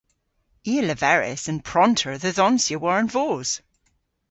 I a leveris an pronter dhe dhonsya war an voos.